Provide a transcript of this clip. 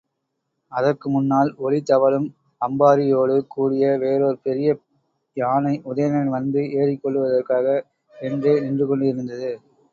அதற்கு முன்னால் ஒளி தவழும் அம்பாரியோடு கூடிய வேறோர் பெரிய யானை உதயணன் வந்து ஏறிக்கொள்ளுவதற்காக என்றே நின்றுகொண்டிருந்தது.